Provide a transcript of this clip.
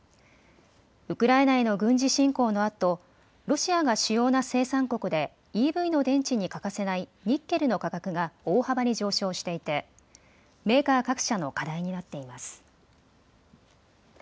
ウクライナへの軍事侵攻のあとロシアが主要な生産国でＥＶの電池に欠かせないニッケルの価格が大幅に上昇していてメーカー各社の課題になっています。